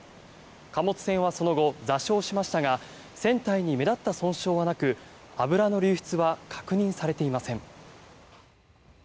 貨物船はその後、座礁しましたが船体に目立った損傷はなく油の流出は確認されていません。